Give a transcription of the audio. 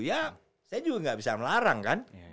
ya saya juga nggak bisa melarang kan